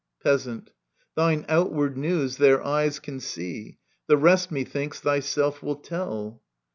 Peasant. Thine outward news their eyes Can see ; the rest^ methinks, thyself will tell.